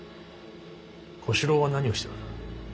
小四郎は何をしておる。